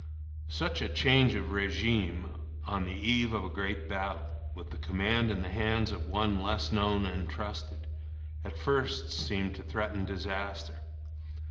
Such a change of régime on the eve of a great battle, with the command in the hands of one less known and trusted, at first seemed to threaten disaster.